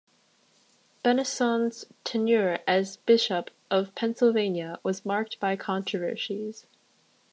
Bennison's tenure as Bishop of Pennsylvania was marked by controversies.